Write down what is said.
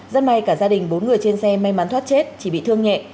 rất may cả gia đình bốn người trên xe may mắn thoát chết chỉ bị thương nhẹ